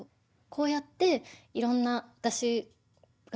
こうやっていろんな何かこう